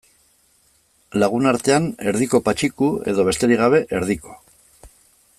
Lagunartean, Erdiko Patxiku edo, besterik gabe, Erdiko.